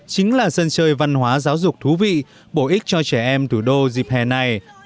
chính là sân chơi văn hóa giáo dục thú vị bổ ích cho trẻ em thủ đô dịp hè này